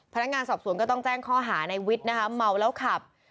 พนักงานสอบสวนก็ต้องแจ้งข้อหาในวิทย์นะคะเมาแล้วขับ